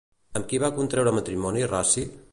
Amb qui va contreure matrimoni Raci?